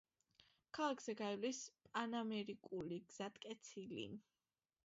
ქალაქზე გაივლის პანამერიკული გზატკეცილი.